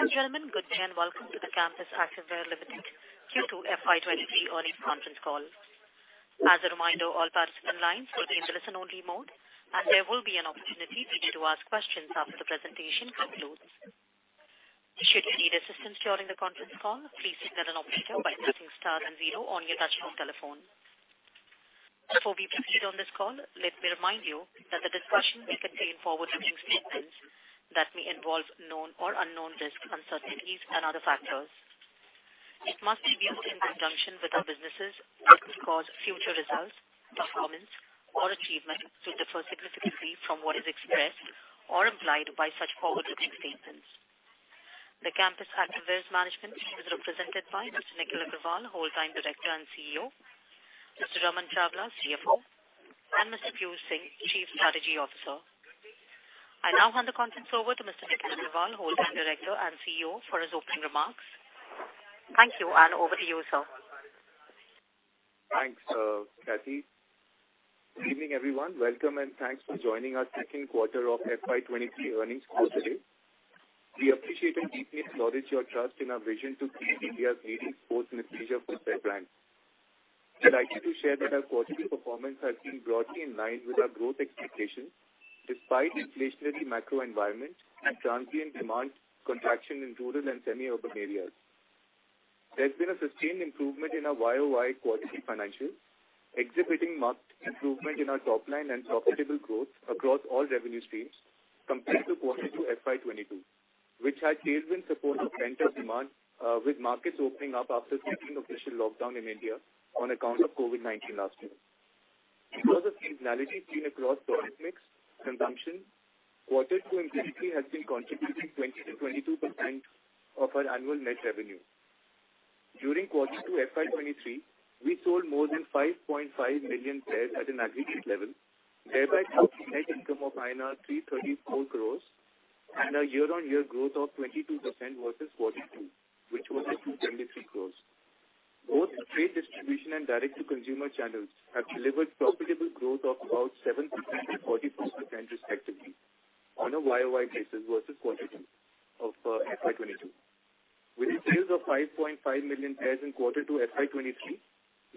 Ladies and gentlemen, good day and welcome to the Campus Activewear Limited Q2 FY 2023 earnings conference call. As a reminder, all participant lines will be in listen-only mode, and there will be an opportunity for you to ask questions after the presentation concludes. Should you need assistance during the conference call, please signal an operator by pressing star and zero on your touchtone telephone. Before we proceed on this call, let me remind you that the discussion may contain forward-looking statements that may involve known or unknown risks, uncertainties and other factors. It must be viewed in conjunction with our businesses that could cause future results, performance or achievement to differ significantly from what is expressed or implied by such forward-looking statements. The Campus Activewear's management team is represented by Mr. Nikhil Aggarwal, Whole Time Director and CEO, Mr. Raman Chawla, CFO, and Mr. Piyush Singh, Chief Strategy Officer. I now hand the conference over to Mr. Nikhil Aggarwal, Whole Time Director and CEO, for his opening remarks. Thank you, and over to you, sir. Thanks, Kathy. Good evening, everyone. Welcome and thanks for joining our Q2 of FY 2023 earnings call today. We appreciate and deeply acknowledge your trust in our vision to create India's leading sports and leisure footwear brand. I'd like you to share that our quarterly performance has been broadly in line with our growth expectations despite inflationary macro environment and transient demand contraction in rural and semi-urban areas. There's been a sustained improvement in our year-over-year quarterly financials, exhibiting marked improvement in our top line and profitable growth across all revenue streams compared to Q2 FY 2022, which had tailwind support of pent-up demand with markets opening up after 16 official lockdowns in India on account of COVID-19 last year. Because of seasonality seen across product mix consumption, Q2 and Q3 has been contributing 20%-22% of our annual net revenue. During Q2 FY 2023, we sold more than 5.5 million pairs at an aggregate level, thereby booking net income of INR 334 crores and a year-on-year growth of 22% versus 42, which was at 223 crores. Both trade distribution and direct-to-consumer channels have delivered profitable growth of about 7% and 44% respectively on a year-over-year basis versus Q2 of FY 2022. With sales of 5.5 million pairs in Q2 FY 2023,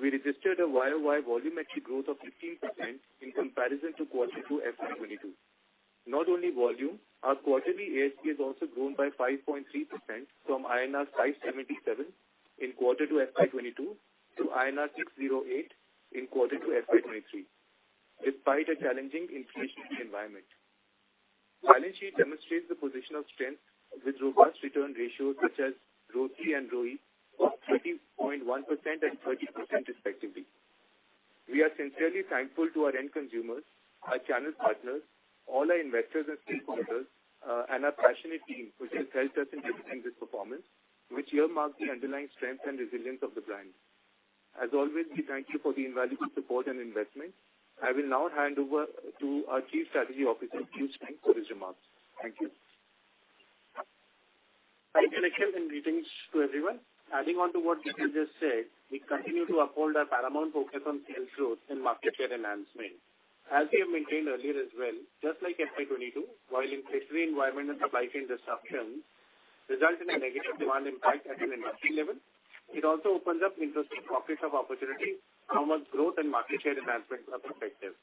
we registered a year-over-year volume actually growth of 15% in comparison to Q2 FY 2022. Not only volume, our quarterly ASP has also grown by 5.3% from INR 577 in Q2 FY 2022 to INR 608 in Q2 FY 2023, despite a challenging inflationary environment. Balance sheet demonstrates the position of strength with robust return ratios such as ROCE and ROE of 30.1% and 30% respectively. We are sincerely thankful to our end consumers, our channel partners, all our investors and stakeholders, and our passionate team which has helped us in delivering this performance, which earmarks the underlying strength and resilience of the brand. As always, we thank you for the invaluable support and investment. I will now hand over to our Chief Strategy Officer, Piyush Singh, for his remarks. Thank you. Thank you, Nikhil, and greetings to everyone. Adding on to what Nikhil just said, we continue to uphold our paramount focus on sales growth and market share enhancement. As we have maintained earlier as well, just like FY 2022, while inflationary environment and supply chain disruptions result in a negative demand impact at an industry level, it also opens up interesting pockets of opportunity from a growth and market share enhancement perspective.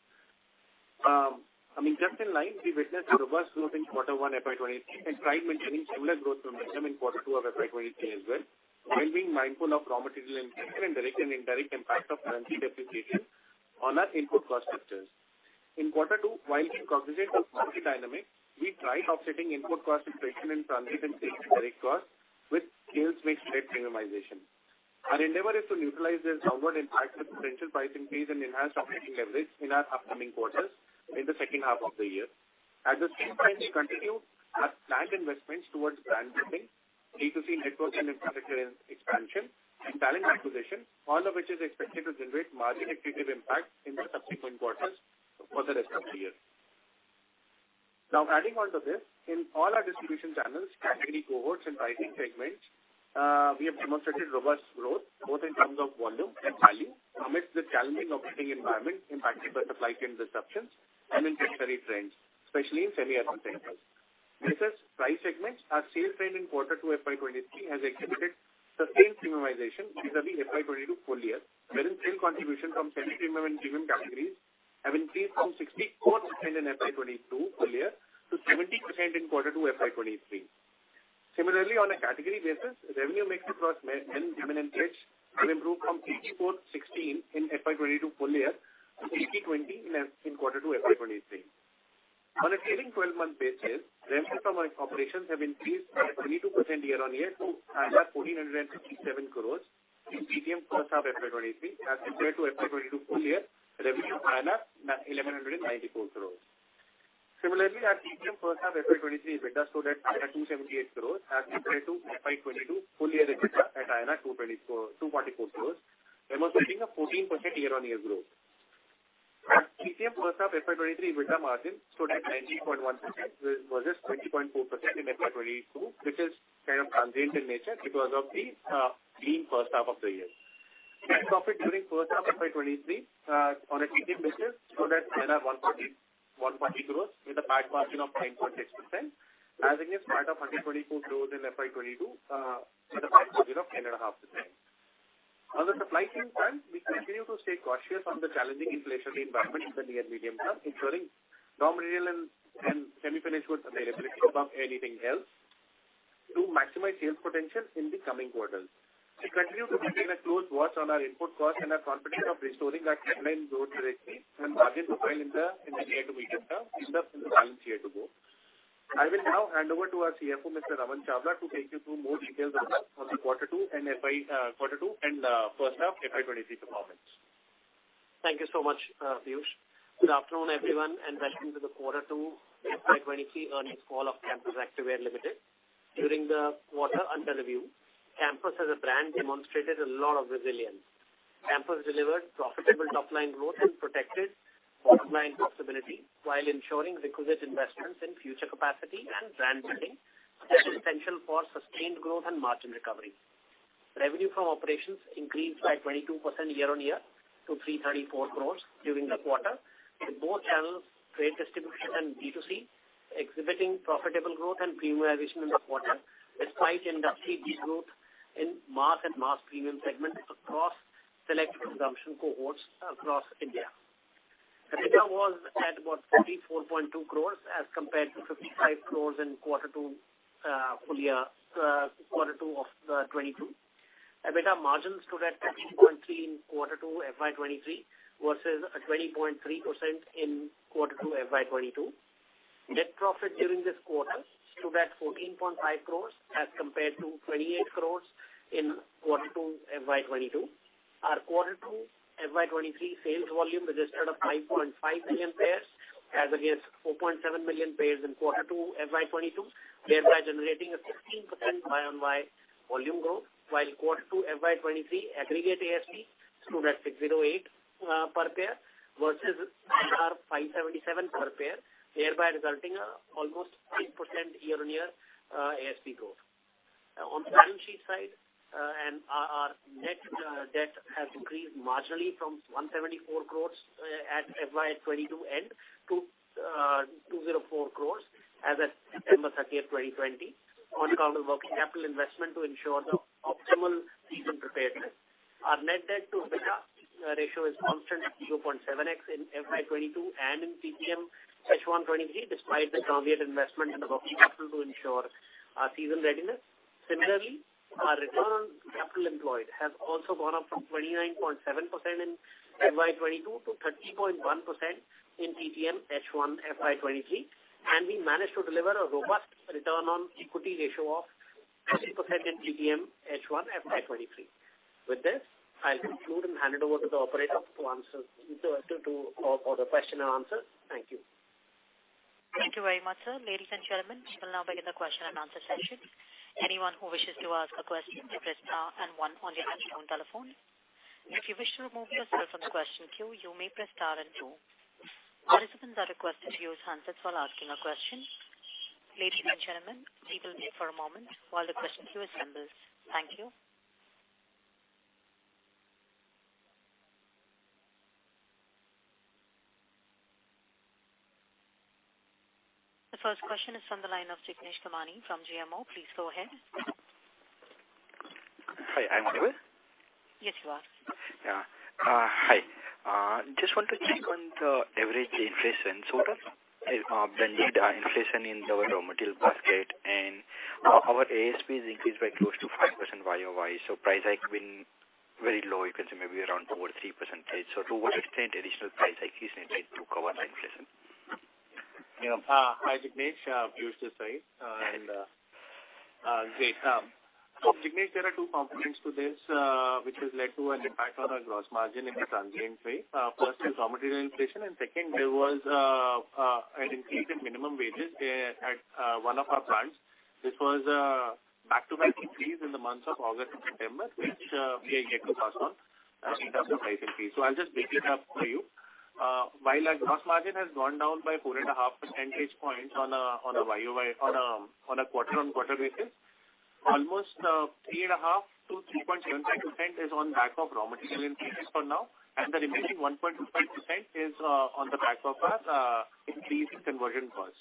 I mean, just in line, we witnessed a robust growth in Quarter 1 FY 2023 and tried maintaining similar growth momentum in Q2 of FY 2023 as well, while being mindful of raw material inflation and direct and indirect impact of currency depreciation on our input cost structures. In Q2, while being cognizant of market dynamics, we tried offsetting input cost inflation in transit and indirect costs with sales mix-led premiumization. Our endeavor is to utilize this onward impact with potential pricing fees and enhanced operating leverage in our upcoming quarters in the H2 of the year. At the same time, we continue our planned investments towards brand building, D2C network and infrastructure expansion and talent acquisition, all of which is expected to generate margin accretive impact in the subsequent quarters for the rest of the year. Now adding on to this, in all our distribution channels, category cohorts and pricing segments, we have demonstrated robust growth both in terms of volume and value amidst the challenging operating environment impacted by supply chain disruptions and inflationary trends, especially in semi-urban centers. Versus price segments, our sales trend in Q2 FY 2023 has exhibited sustained premiumization vis-à-vis FY 2022 full year, wherein sales contribution from semi-premium and premium categories have increased from 64% in FY 2022 full year to 70% in Q2 FY 2023. Similarly, on a category basis, revenue mix across men, women and kids have improved from 54-16 in FY 2022 full year to 50-20 in Q2 FY 2023. On a trailing twelve-month basis, revenues from our operations have increased 22% year-on-year to 1,457 crores in TTM H1 FY 2023 as compared to FY 2022 full year revenue 1,194 crores. Similarly, our TTM H1 FY 2023 EBITDA stood at 278 crores as compared to FY 2022 full year EBITDA at 244 crores, demonstrating a 14% year-on-year growth. Our TTM H1 FY 2023 EBITDA margin stood at 19.1% versus 20.4% in FY 2022, which is kind of transient in nature because of the lean H1 of the year. Net profit during H1 FY 2023, on a standalone basis, stood at 901.8 crores with a PAT margin of 9.6% as against PAT of 124 crores in FY 2022, with a PAT margin of 10.5%. On the supply chain front, we continue to stay cautious on the challenging inflationary environment in the near medium term, ensuring raw material and semi-finished goods availability above anything else to maximize sales potential in the coming quarters. We continue to maintain a close watch on our input costs and are confident of restoring our headline growth rate and margin profile in the near to medium term in the coming year to go. I will now hand over to our CFO, Mr. Raman Chawla, to take you through more details on the Q2 and H1 FY 2023 performance. Thank you so much, Piyush. Good afternoon, everyone, and welcome to the Q2 FY 2023 earnings call of Campus Activewear Limited. During the quarter under review, Campus as a brand demonstrated a lot of resilience. Campus delivered profitable top-line growth and protected bottom line profitability while ensuring requisite investments in future capacity and brand building that is essential for sustained growth and margin recovery. Revenue from operations increased by 22% year-on-year to 334 crores during the quarter. Both channels trade distribution and B2C exhibiting profitable growth and premiumization in the quarter despite industry de-growth in mass and mass premium segments across select consumption cohorts across India. EBITDA was at about 44.2 crores as compared to 55 crores in Q2 of 2022. EBITDA margins stood at 13.3% in Q2 FY 2023 versus 20.3% in Q2 FY 2022. Net profit during this quarter stood at 14.5 crore as compared to 28 crore in Q2 FY 2022. Our Q2 FY 2023 sales volume registered 5.5 million pairs as against 4.7 million pairs in Q2 FY 2022, thereby generating 16% year-over-year volume growth while Q2 FY 2023 aggregate ASP stood at 608 per pair versus our 577 per pair, thereby resulting in almost 6% year-over-year ASP growth. On balance sheet side, and our net debt has increased marginally from 174 crores at FY 2022 end to 204 crores as at December 30, 2020 on account of working capital investment to ensure the optimal season preparedness. Our net debt to EBITDA ratio is constant at 2.7x in FY 2022 and in TTM H1 2023, despite the capital investment in the working capital to ensure our season readiness. Similarly, our return on capital employed has also gone up from 29.7% in FY 2022 to 30.1% in TTM H1 FY 2023, and we managed to deliver a robust return on equity ratio of 30% in TTM H1 FY 2023. With this, I'll conclude and hand it over to the operator for the question and answer. Thank you. Thank you very much, sir. Ladies and gentlemen, we'll now begin the question and answer session. Anyone who wishes to ask a question can press star and one on their telephone. If you wish to remove yourself from the question queue, you may press star and two. Participants are requested to use handsets while asking a question. Ladies and gentlemen, we will wait for a moment while the question queue assembles. Thank you. The first question is from the line of Jignesh Kamani from GMO. Please go ahead. Hi, I'm on air? Yes, you are. Yeah. Hi. Just want to check on the average inflation sort of beneath inflation in the raw material basket and our ASP has increased by close to 5% year-over-year, so price hike been very low, you can say maybe around 2%-3%. To what extent additional price hike is needed to cover inflation? You know, hi, Jignesh. Piyush this side. Great. Jignesh, there are two components to this, which has led to an impact on our gross margin in a transient way. First is raw material inflation, and second there was an increase in minimum wages at one of our plants. This was back to back increase in the months of August and September, which we are yet to pass on in terms of price increase. I'll just break it up for you. While our gross margin has gone down by 4.5 percentage points on a quarter-on-quarter basis, almost 3.5%-3.75% is on the back of raw material increases for now, and the remaining 1.5% is on the back of our increase in conversion costs.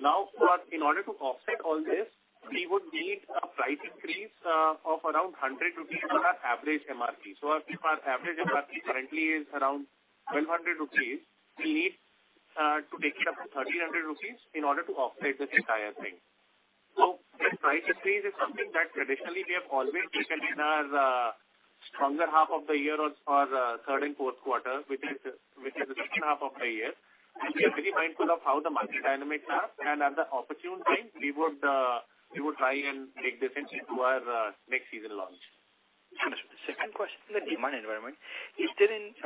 Now, in order to offset all this, we would need a price increase of around 100 rupees on our average MRP. So if our average MRP currently is around 1,200 rupees, we need to take it up to 1,300 rupees in order to offset this entire thing. This price increase is something that traditionally we have always taken in our stronger half of the year or for Q3 and Q4, which is the H2 of the year. We are very mindful of how the market dynamics are, and at the opportune time, we would try and take this into our next season launch. Understood. Second question on the demand environment. Is there any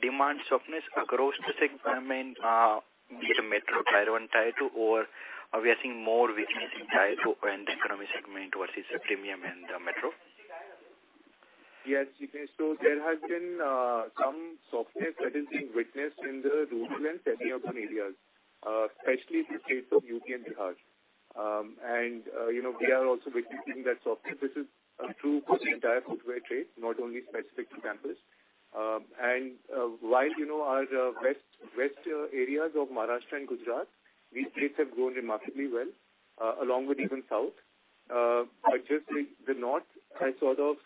demand softness across the segment, be it a metro, tier one, tier two, or are we seeing more weakness in tier two and economy segment versus the premium and the metro? Yes, Jignesh. There has been some softness that is being witnessed in the rural and semi-urban areas, especially the states of UP and Bihar. You know, we are also witnessing that softness. This is true for the entire footwear trade, not only specific to Campus. While you know, our west areas of Maharashtra and Gujarat, these states have grown remarkably well, along with even South. But just the North has sort of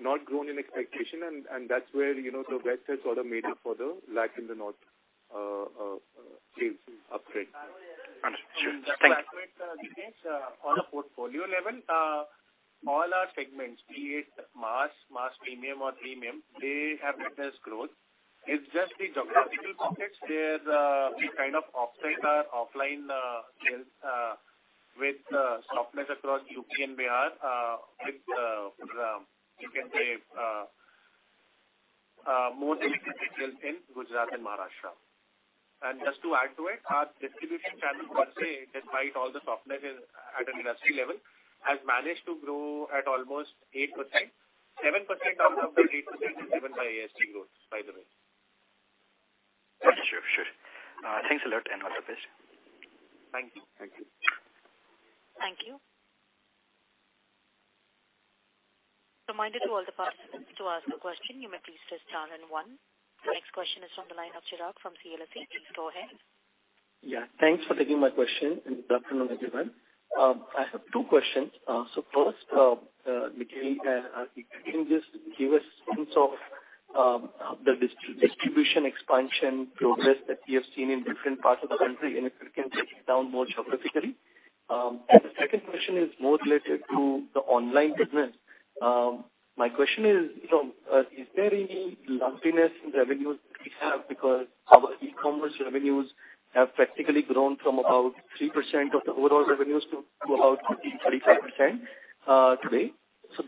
not grown in expectation and that's where you know, the West has sort of made up for the lack in the North, sales upgrade. Understood. Thank you. To accentuate the difference, on a portfolio level, all our segments, be it mass premium or premium, they have witnessed growth. It's just the geographical pockets where we kind of offset our offline sales with more double-digit growth in Gujarat and Maharashtra. Just to add to it, our distribution channel per se, despite all the softness at an industry level, has managed to grow at almost 8%. 7% out of the 8% is driven by ASP growth, by the way. Sure, sure. Thanks a lot, and all the best. Thank you. Thank you. Reminder to all the participants to ask a question. You may please press star then one. The next question is from the line of Chirag from CLSA. Please go ahead. Yeah, thanks for taking my question, and good afternoon, everyone. I have two questions. First, Nikhil, if you can just give a sense of the distribution expansion progress that you have seen in different parts of the country, and if you can break it down more geographically. The second question is more related to the online business. My question is, you know, is there any lumpiness in revenues that we have because our e-commerce revenues have practically grown from about 3% of the overall revenues to about 35%, today.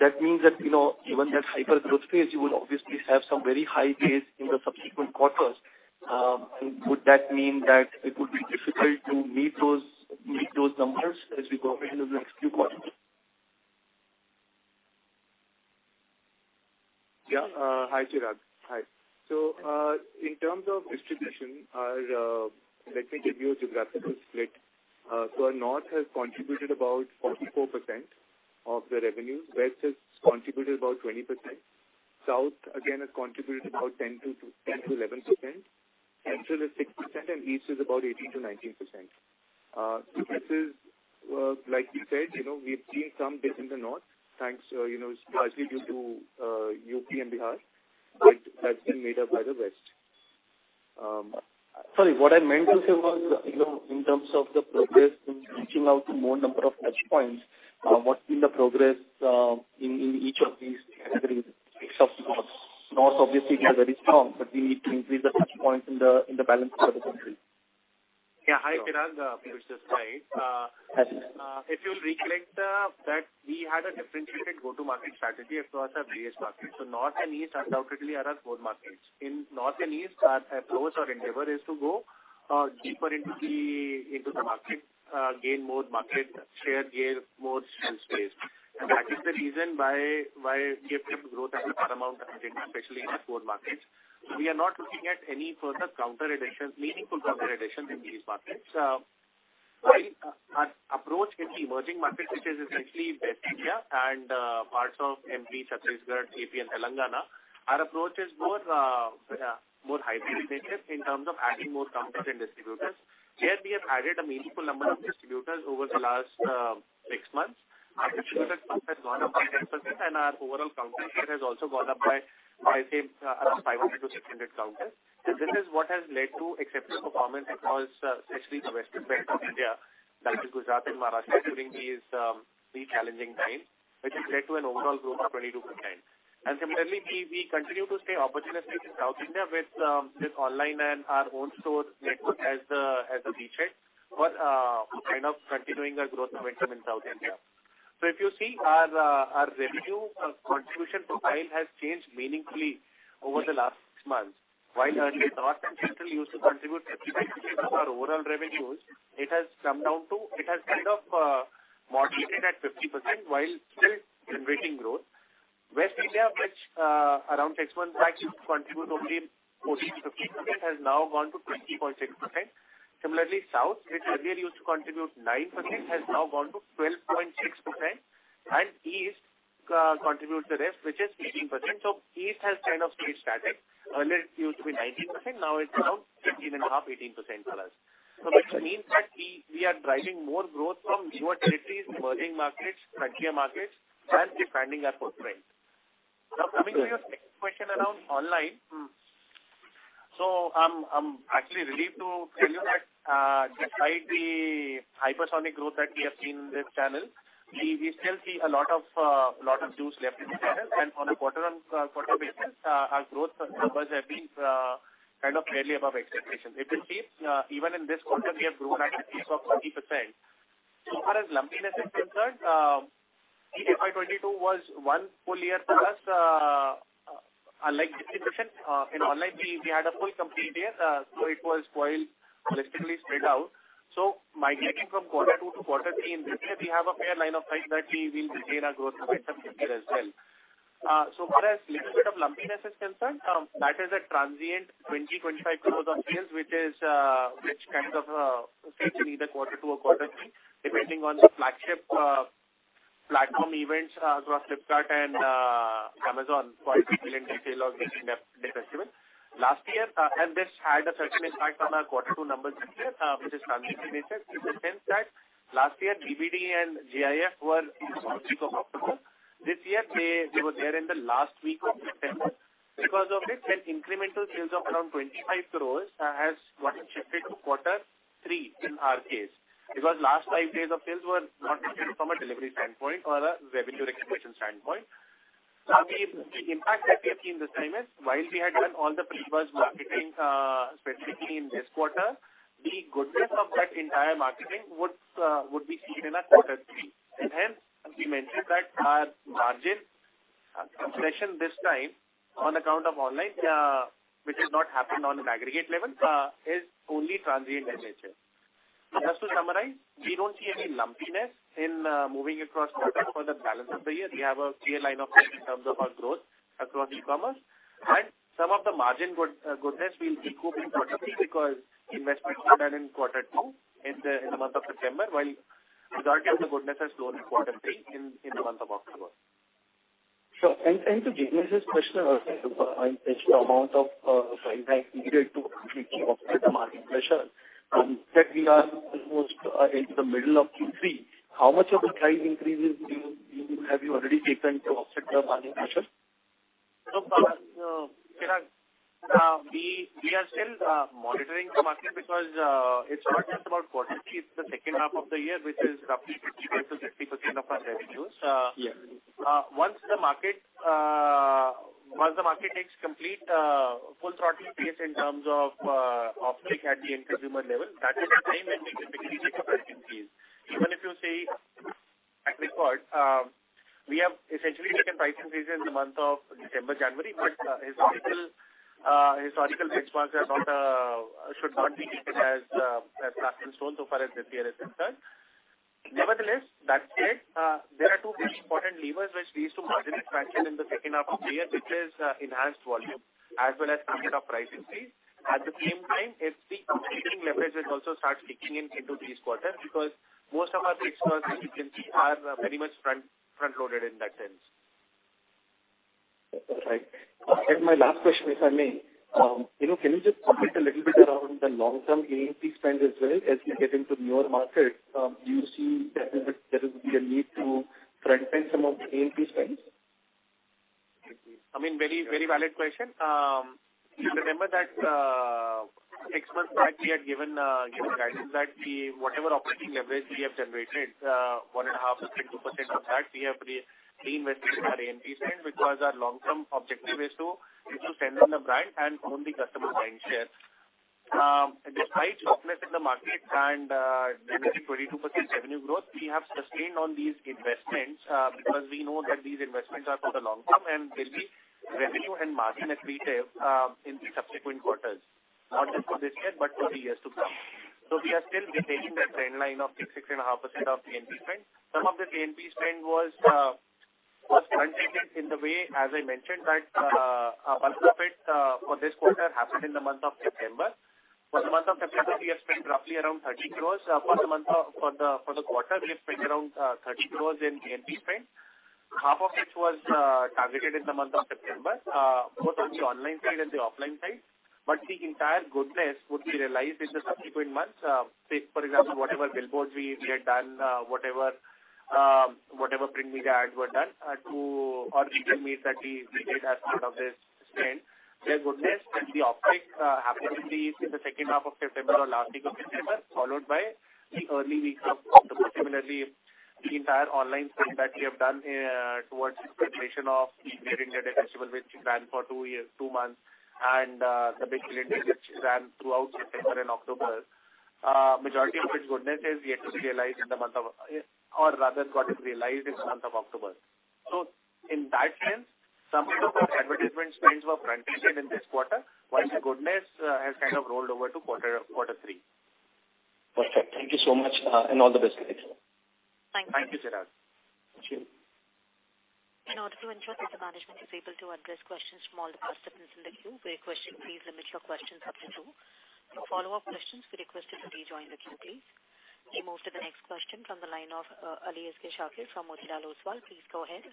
That means that, you know, even in a hypergrowth phase, you will obviously have some very high base in the subsequent quarters. Would that mean that it would be difficult to meet those numbers as we go ahead in the next few quarters? Yeah. Hi, Chirag. In terms of distribution, let me give you a geographical split. North has contributed about 44% of the revenue. West has contributed about 20%. South again has contributed about 10%-11%. Central is 6%, and East is about 18%-19%. This is, like we said, you know, we've seen some dip in the North, thanks, you know, largely due to UP and Bihar, but that's been made up by the West. Sorry, what I meant to say was, you know, in terms of the progress in reaching out to more number of touchpoints, what's been the progress in each of these categories except North? North obviously is very strong, but we need to increase the touchpoints in the balance part of the country. Yeah. Hi, Chirag. Piyush Singh is right. If you'll recollect, that we had a differentiated go-to-market strategy across our base markets. North and East undoubtedly are our core markets. In North and East, our approach or endeavor is to go deeper into the market, gain more market share, gain more shelf space. That is the reason why we have seen growth at a premium in India, especially in these core markets. We are not looking at any further counter additions, meaningful counter additions in these markets. Our approach in emerging markets, which is essentially West India and parts of MP, Chhattisgarh, AP and Telangana, our approach is more hyper-aggressive in terms of adding more counters and distributors. Here we have added a meaningful number of distributors over the last six months. Our distributor count has gone up by 10%, and our overall counter count has also gone up by, I'd say, around 500-600 counters. This is what has led to exceptional performance across, especially the western belt of India, that is Gujarat and Maharashtra, during these challenging times, which has led to an overall growth of 22%. Similarly, we continue to stay opportunistically in South India with online and our own store network as the beachhead for kind of continuing our growth momentum in South India. If you see our revenue contribution profile has changed meaningfully over the last six months. While earlier North and Central used to contribute 50% of our overall revenues, it has come down to... It has kind of moderated at 50% while still generating growth. West India, which around six months back used to contribute only 14%-15%, has now gone to 20.6%. Similarly, South, which earlier used to contribute 9%, has now gone to 12.6%. East contributes the rest, which is 18%. East has kind of stayed static. Earlier it used to be 19%, now it's around 15.5%-18% for us. Which means that we are driving more growth from newer territories, emerging markets, frontier markets, while defending our core strength. Now, coming to your second question around online. I'm actually relieved to tell you that, despite the hypersonic growth that we have seen in this channel, we still see a lot of juice left in the channel. On a quarter-on-quarter basis, our growth numbers have been kind of fairly above expectations. If you see, even in this quarter, we have grown at the pace of 30%. As far as lumpiness is concerned, FY 2022 was one full year for us, unlike distribution. In online we had a full complete year, so it was well holistically spread out. Migrating from Q2 to Q3, in which case we have a fair line of sight that we will retain our growth momentum here as well. As far as a little bit of lumpiness is concerned, that is a transient 25 crore of sales, which kind of seen in either Q2 or Q3, depending on the flagship platform events across Flipkart and Amazon festival. Last year, and this had a certain impact on our Q2 numbers this year, which is transient in nature in the sense that last year, BBD and GIF were in the last week of October. This year, they were there in the last week of September. Because of this, an incremental sales of around 25 crore has gotten shifted to Q3 in our case. Because last five days of sales were not shifted from a delivery standpoint or a revenue recognition standpoint. Now, the impact that we have seen this time is while we had done all the pre-buzz marketing, specifically in this quarter, the goodness of that entire marketing would be seen in our Q3. Hence, we mentioned that our margin compression this time on account of online, which has not happened on an aggregate level, is only transient in nature. Just to summarize, we don't see any lumpiness in moving across quarters for the balance of the year. We have a clear line of sight in terms of our growth across e-commerce, and some of the margin goodness will echo in Q3 because investments were done in Q2 in the month of September, while majority of the goodness is shown in Q3 in the month of October. Sure. To Jignesh's question earlier, the amount of price hike needed to completely offset the margin pressure that we are almost into the middle of Q3, how much of the price increases have you already taken to offset the margin pressure? We are still monitoring the market because it's not just about Q3, it's the H2 of the year, which is roughly 50%-60% of our revenues. Yeah. Once the market takes complete full throttle pace in terms of offtake at the end consumer level, that is the time when we typically take a price increase. Even if you see historical record, we have essentially taken price increase in the month of December, January. Historical benchmarks should not be taken as cast in stone so far as this year is concerned. Nevertheless, that said, there are two very important levers which we use to modulate margin in the H2 of the year, which is enhanced volume as well as ticket price increase. At the same time, it's the operating leverage which also starts kicking in into these quarters because most of our fixed costs, as you can see, are very much front-loaded in that sense. All right. My last question, if I may. You know, can you just comment a little bit around the long-term A&P spend as well as you get into newer markets? Do you see that there will be a need to front end some of the A&P spends? I mean, very, very valid question. If you remember that, six months back we had given, you know, guidance that we whatever operating leverage we have generated, 1.5%-2% of that we have reinvested in our A&P spend because our long-term objective is to strengthen the brand and own the customer mind share. Despite toughness in the market and negative 22% revenue growth, we have sustained on these investments, because we know that these investments are for the long term and will be revenue and margin accretive in the subsequent quarters. Not just for this year, but for the years to come. We are still maintaining that trend line of 6%-6.5% of A&P spend. Some of the A&P spend was front ended in the way, as I mentioned, that a bulk of it for this quarter happened in the month of September. For the month of September, we have spent roughly around 30 crore. For the quarter, we have spent around 30 crore in A&P spend. Half of which was targeted in the month of September, both on the online side and the offline side. The entire goodness would be realized in the subsequent months. Take for example, whatever billboard we had done, whatever print media ads were done, or digital media that we did as part of this spend. Their goodness and the offtake happened in the H2 of September or last week of September, followed by the early week of October. Similarly, the entire online spend that we have done towards the preparation of Great Indian Festival, which we planned for two months, and The Big Billion Days, which ran throughout September and October. Majority of its goodness is yet to be realized or rather got it realized in the month of October. In that sense, some bit of our advertisement spends were front loaded in this quarter, but the goodness has kind of rolled over to Q3. Perfect. Thank you so much, and all the best. Thank you, Chirag. Thank you. In order to ensure that the management is able to address questions from all the participants in the queue, we request you please limit your questions up to two. For follow-up questions, we request you to rejoin the queue, please. We move to the next question from the line of Aliasgar Shakir from Motilal Oswal. Please go ahead.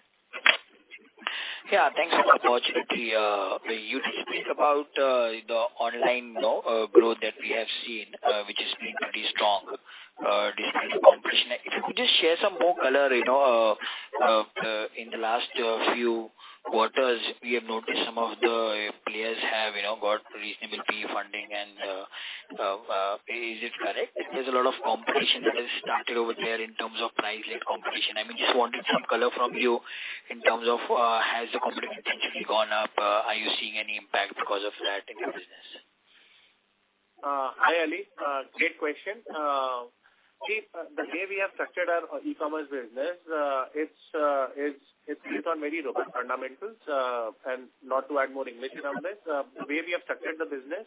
Yeah, thanks for the opportunity. You did speak about the online, you know, growth that we have seen, which has been pretty strong, despite the competition. If you could just share some more color, you know, in the last few quarters, we have noticed some of the players have, you know, got reasonable pre-funding and, is it correct? There's a lot of competition that has started over there in terms of price-led competition. I mean, just wanted some color from you in terms of, has the competition intensity gone up? Are you seeing any impact because of that in your business? Hi, Ali. Great question. The way we have structured our e-commerce business, it's based on very robust fundamentals. Not to add more English to numbers, the way we have structured the business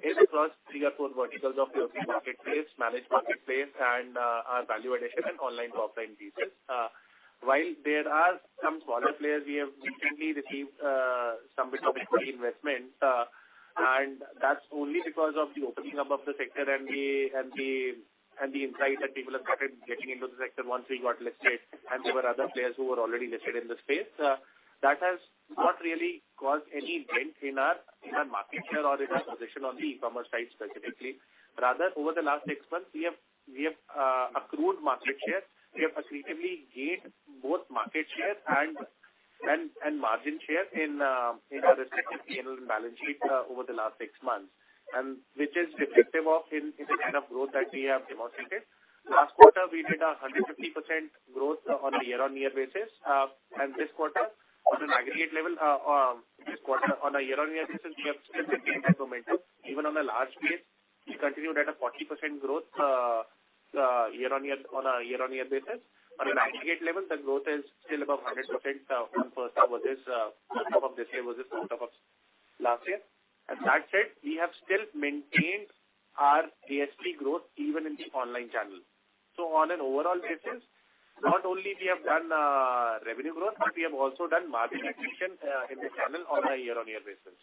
is across three or four verticals of your marketplace, managed marketplace, and our value addition and online to offline pieces. While there are some smaller players, we have recently received some bit of equity investment, and that's only because of the opening up of the sector and the insight that people have started getting into the sector once we got listed, and there were other players who were already listed in the space. That has not really caused any dent in our market share or in our position on the e-commerce side specifically. Rather, over the last six months, we have accrued market share. We have accretively gained both market share and margin share in our respective P&L balance sheet over the last six months, which is reflective of the kind of growth that we have demonstrated. Last quarter, we did 150% growth on a year-on-year basis. This quarter on an aggregate level, this quarter on a year-on-year basis, we have still maintained that momentum. Even on a large base, we continued at a 40% growth year-on-year basis. On an aggregate level, the growth is still above 100%, composite versus top of this year versus top of last year. That said, we have still maintained our ASP growth even in the online channel. On an overall basis, not only we have done revenue growth, but we have also done margin accretion in the channel on a year-on-year basis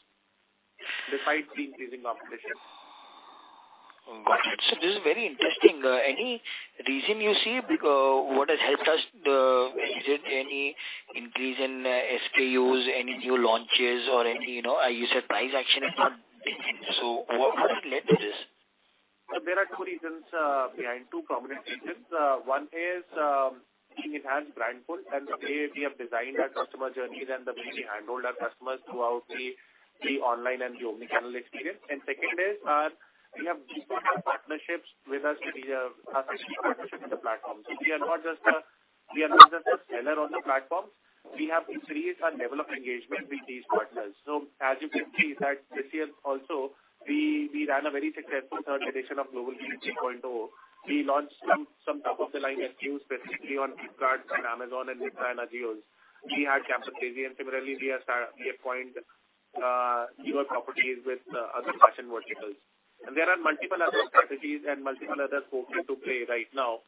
despite the increasing competition. Got it. This is very interesting. Any reason you see what has helped us? Is it any increase in SKUs, any new launches or any? You know, you said price action is not, so what has led to this? There are two prominent reasons. One is we enhanced brand pull, and the way we have designed our customer journeys and the way we handle our customers throughout the online and the omni-channel experience. Second is, we have deepened our partnerships with our key partnerships on the platform. We are not just a seller on the platform. We have increased our level of engagement with these partners. As you can see that this year also we ran a very successful third edition of Global Shopping Festival 3.0. We launched some top of the line SKUs specifically on Flipkart and Amazon and Myntra and Ajio. We had Campus Day, and similarly we are appointing newer properties with other fashion verticals. There are multiple other strategies and multiple other spokes into play right now,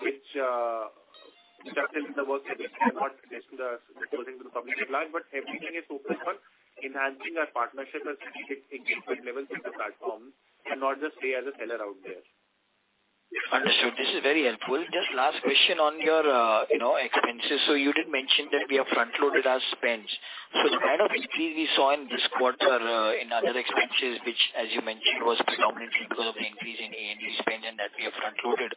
which just in the works and which I cannot discuss, disclosing to the public at large. Everything is focused on enhancing our partnership and strategic engagement levels with the platform and not just stay as a seller out there. Understood. This is very helpful. Just last question on your, you know, expenses. You did mention that we have front-loaded our spends. The kind of increase we saw in this quarter, in other expenses, which as you mentioned, was predominantly because of the increase in A&P spend and that we have front-loaded.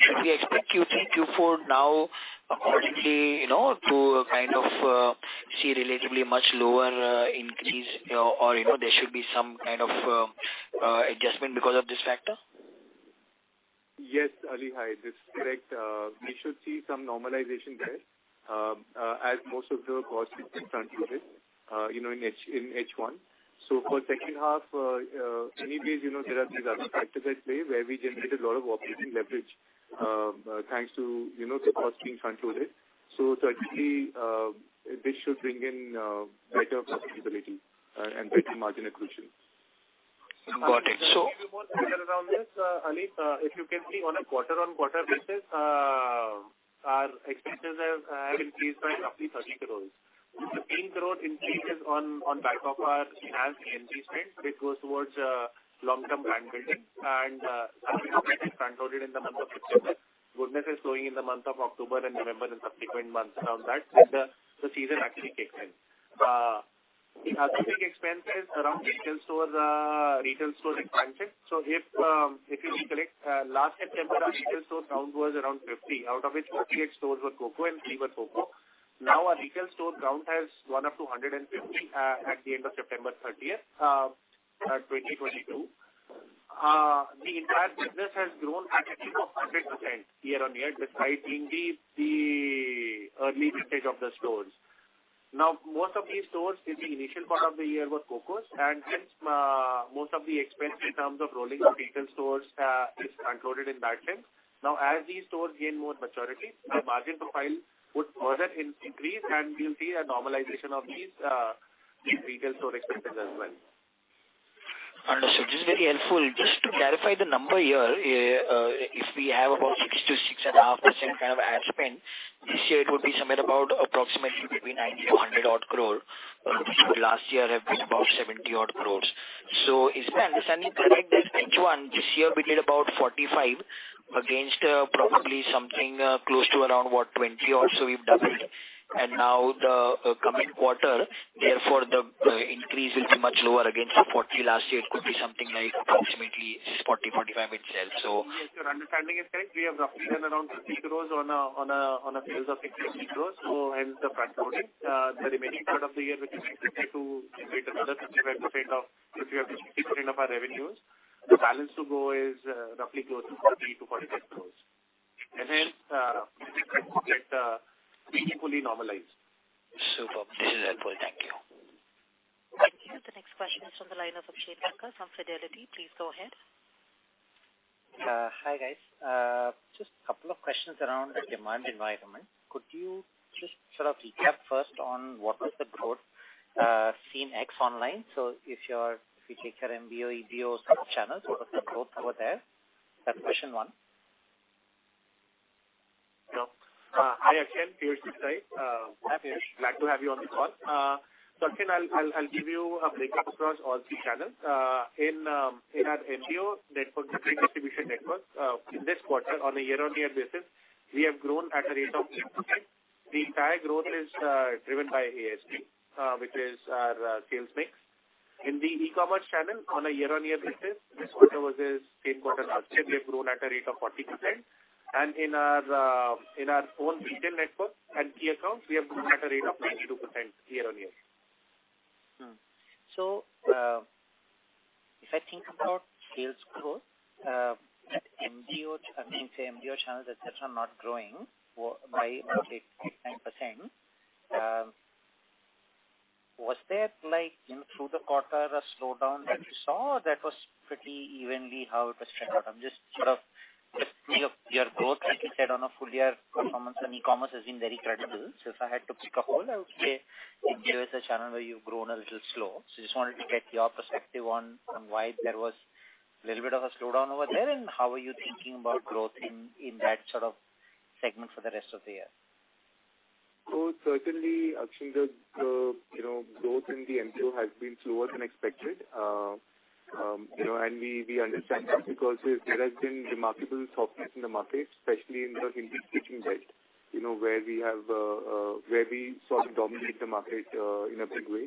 Should we expect Q3, Q4 now accordingly, you know, to kind of, see relatively much lower, increase or, you know, there should be some kind of, adjustment because of this factor? Yes, Ali. Hi. This is correct. We should see some normalization there, as most of the cost is frontloaded, you know, in H1. For H2, anyways, you know, there are these other factors at play where we generate a lot of operating leverage, thanks to, you know, the cost being frontloaded. Certainly, this should bring in better profitability and better margin accretion. Got it. Around this, Ali, if you can see on a quarter-on-quarter basis, our expenses have increased by roughly 30 crore. The 30 crore increase is on back of our enhanced A&P spend, which goes towards long-term brand building and some of it is frontloaded in the month of September. Benefits are flowing in the month of October and November and subsequent months around that when the season actually kicks in. The other big expense is around retail stores, retail store expansion. If you recollect, last September our retail store count was around 50, out of which 48 stores were COCO and 3 were COCO. Now, our retail store count has gone up to 150 at the end of September 30, 2022. The entire business has grown in excess of 100% year-on-year despite indeed the early vintage of the stores. Now, most of these stores in the initial part of the year were COCOs, and hence, most of the expense in terms of rolling out retail stores is frontloaded in that sense. Now, as these stores gain more maturity, our margin profile would further increase, and we'll see a normalization of these retail store expenses as well. Understood. This is very helpful. Just to clarify the number here, if we have about 6%-6.5% kind of ad spend this year, it would be somewhere about approximately between 90-100 crore. Last year it was about 70 crore. Is my understanding correct that H1 this year we did about 45 against, probably something, close to around what? 20 or so we've doubled. Now the coming quarter, therefore the increase will be much lower against the 40 last year. It could be something like approximately 40, 45 itself, so. Yes, your understanding is correct. We have roughly done around 50 crore on a base of 60 crore. Hence the frontloading, the remaining part of the year, which is expected to generate another 55% of, 50%-60% of our revenues. The balance to go is roughly close to 40-48 crore. Then we expect things to fully normalize. Superb. This is helpful. Thank you. Thank you. The next question is from the line of Abhiram Eleswarapu from BNP Paribas. Please go ahead. Hi guys. Just a couple of questions around the demand environment. Could you sort of recap first on what was the growth seen ex online. If we take your MBO, EBO sort of channels, what was the growth over there? That's question one. Hi, Nikhil Aggarwal. Here's Piyush Singh. Glad to have you on the call. So, Nikhil Aggarwal, I'll give you a breakdown across all three channels. In our MBO network, the free distribution network, in this quarter on a year-on-year basis, we have grown at a rate of 8%. The entire growth is driven by ASP, which is our sales mix. In the e-commerce channel on a year-on-year basis, this quarter was an important quarter. We've grown at a rate of 40%. In our own retail network and key accounts, we have grown at a rate of 22% year-on-year. If I think about sales growth, MBO, I mean, say MBO channels, et cetera, not growing by only 8-9%, was that like throughout the quarter a slowdown that you saw or that was pretty evenly how it was planned? I'm just sort of your growth, like you said, on a full year performance and e-commerce has been very credible. If I had to poke a hole, I would say MBO is a channel where you've grown a little slow. Just wanted to get your perspective on why there was a little bit of a slowdown over there and how are you thinking about growth in that sort of segment for the rest of the year. Certainly, Nikhil Aggarwal, you know, the growth in the MBO has been slower than expected. You know, we understand that because there has been remarkable softness in the market, especially in the Hindi-speaking belt, you know, where we sort of dominate the market in a big way.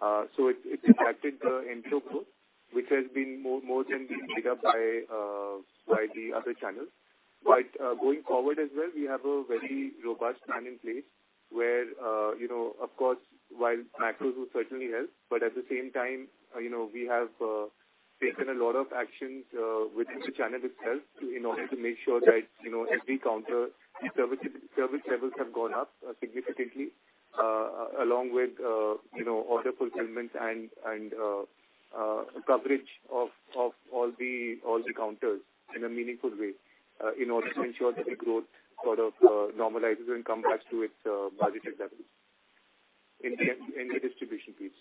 It's impacted the MBO growth, which has been more than being made up by the other channels. Going forward as well, we have a very robust plan in place where, you know, of course, while macros will certainly help, but at the same time, you know, we have taken a lot of actions within the channel itself in order to make sure that, you know, every counter service levels have gone up significantly, along with, you know, order fulfillments and coverage of all the counters in a meaningful way, in order to ensure that the growth sort of normalizes and comes back to its budgeted levels in the distribution piece.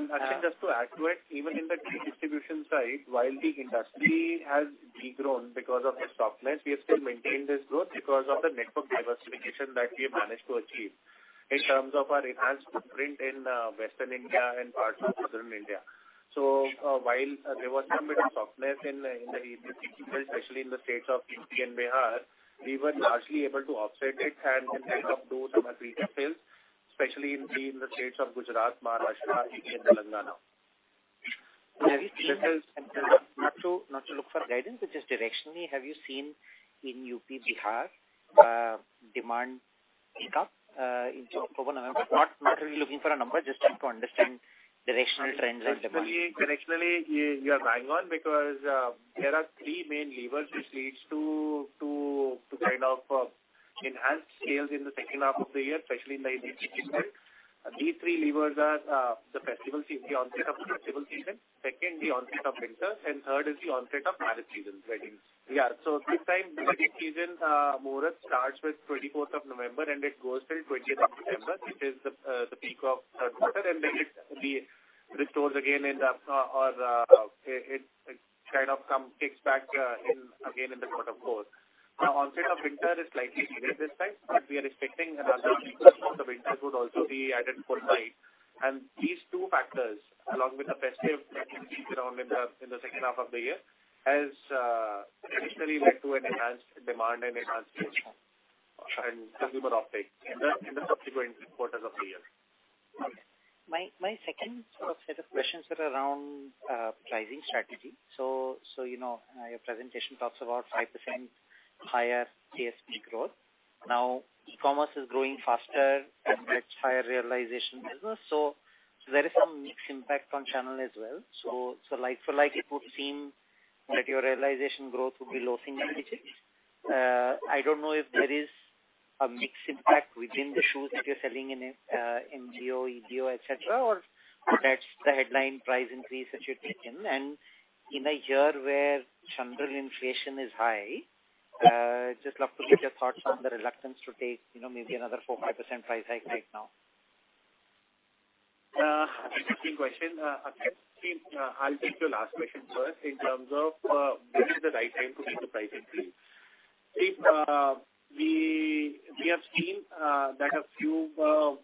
Nikhil Aggarwal, just to add to it, even in the free distribution side, while the industry has de-grown because of the softness, we have still maintained this growth because of the network diversification that we have managed to achieve in terms of our enhanced footprint in Western India and parts of Southern India. While there was some bit of softness in the Hindi-speaking belt, especially in the states of UP and Bihar, we were largely able to offset it and make up through some regional sales, especially in the states of Gujarat, Maharashtra and Telangana. Very little. Not to look for guidance, but just directionally, have you seen in UP, Bihar, demand pick up into October, November? Not really looking for a number, just trying to understand directional trends and demand. Directionally, you are bang on because there are three main levers which leads to kind of enhance sales in the H2 of the year, especially in the Hindi-speaking belt. These three levers are the onset of festival season. Second, the onset of winter, and third is the onset of marriage season, weddings. This time, wedding season more or less starts with 24th of November, and it goes till 20th of December, which is the peak of the quarter, and then it resumes again in the Q4. The onset of winter is slightly delayed this time, but we are expecting another week or so of the winter would also be added for five. These two factors, along with the festive season around the H2 of the year, has traditionally led to an enhanced demand and enhanced consumer uptake in the subsequent quarters of the year. Okay. My second sort of set of questions are around pricing strategy. You know, your presentation talks about 5% higher ASP growth. Now, e-commerce is growing faster and gets higher realization as well. There is some mix impact on channel as well. Like for like it would seem that your realization growth will be losing a little bit. I don't know if there is a mix impact within the shoes that you're selling in MBO, EBO, et cetera, or that's the headline price increase that you've taken. In a year where general inflation is high, just love to get your thoughts on the reluctance to take, you know, maybe another 4-5% price hike right now. Interesting question. Nikhil Aggarwal, I'll take your last question first in terms of when is the right time to make the price increase. We have seen that a few of